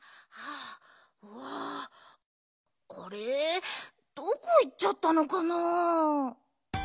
あれっどこいっちゃったのかな？